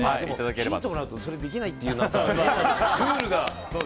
ヒントをもらうとそれができないってルールが。